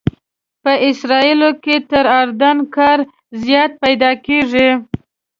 په اسرائیلو کې تر اردن کار زیات پیدا کېږي.